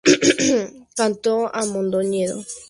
Cantó a Mondoñedo y a sus tierras, a Galicia y a sus problemas.